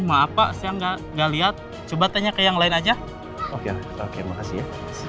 maaf pak saya nggak lihat coba tanya ke yang lain aja oke makasih ya